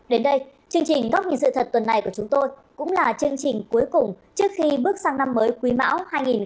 đến đây chương trình góc nhìn sự thật tuần này của chúng tôi cũng là chương trình cuối cùng trước khi bước sang năm mới quý mão hai nghìn hai mươi bốn